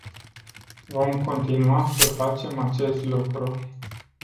Vom continua să facem acest lucru.